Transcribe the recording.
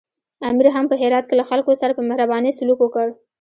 امیر هم په هرات کې له خلکو سره په مهربانۍ سلوک وکړ.